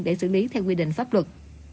để xử lý theo quy định pháp luật